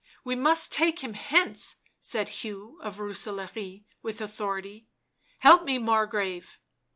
"We must take him hence, " said Hugh of Roose laare, with authority. " Help me, Margrave."